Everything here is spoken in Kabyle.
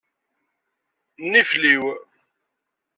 Nifliw.